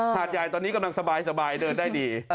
หาดใหญ่ตอนนี้กำลังสบายเดินได้ดี